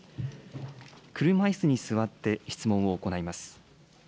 車いすに座って、質問を行います。